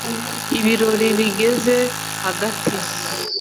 Ibirori bigeze hagati